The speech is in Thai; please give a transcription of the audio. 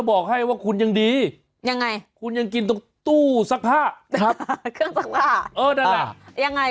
ก็กระโต๊ะที่ทำงานไง